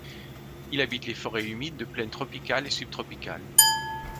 Il habite les forêts humides de plaine tropicales et subtropicales.